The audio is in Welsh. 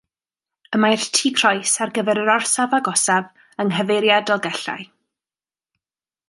Y mae'r Tŷ Croes ar gyfer yr orsaf agosaf yng nghyfeiriad Dolgellau.